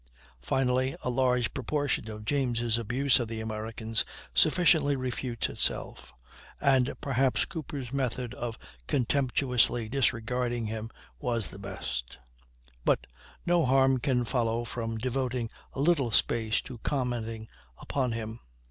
Finally, a large proportion of James' abuse of the Americans sufficiently refutes itself, and perhaps Cooper's method of contemptuously disregarding him was the best; but no harm can follow from devoting a little space to commenting upon him.